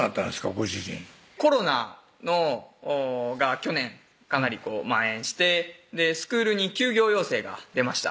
ご主人コロナが去年かなり蔓延してスクールに休業要請が出ました